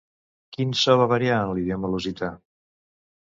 Quin so va variar en l'idioma lusità?